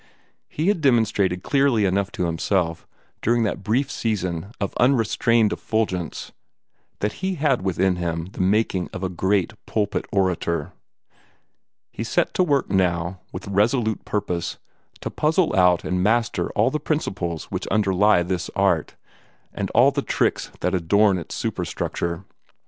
He had demonstrated clearly enough to himself, during that brief season of unrestrained effulgence, that he had within him the making of a great pulpit orator. He set to work now, with resolute purpose, to puzzle out and master all the principles which underlie this art, and all the tricks that adorn its superstructure.